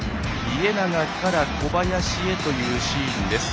家長から小林へというシーンです。